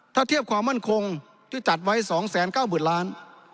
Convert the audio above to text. ถ้าเทียบความมั่นคงที่จัดไว้สองแสนเก้าหมื่นล้าน